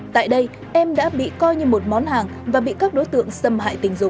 tại đây em đã bị coi như một món hàng và bị các đối tượng xâm hại tình dục